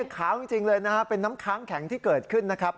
ขาวจริงเลยนะครับเป็นน้ำค้างแข็งที่เกิดขึ้นนะครับ